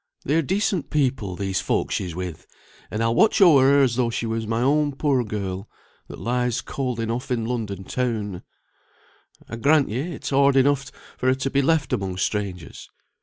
They are decent people, these folk she is with, and I'll watch o'er her as though she was my own poor girl, that lies cold enough in London town. I grant ye, it's hard enough for her to be left among strangers.